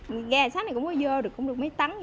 nghe sáng nay cũng có vô được cũng được mấy tấn vậy đó